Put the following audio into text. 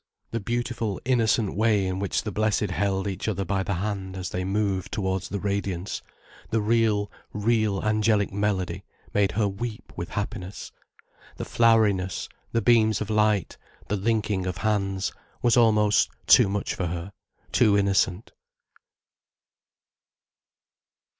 The beautiful, innocent way in which the Blessed held each other by the hand as they moved towards the radiance, the real, real, angelic melody, made her weep with happiness. The floweriness, the beams of light, the linking of hands, was almost too much for her, too innocent.